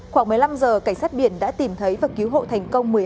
khoảng một mươi năm h cảnh sát biển đã tìm thấy và cứu hộ thành công một mươi hai